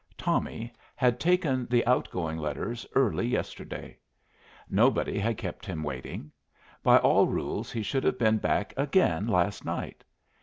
Tommy had taken the outgoing letters early yesterday. Nobody had kept him waiting. By all rules he should have been back again last night.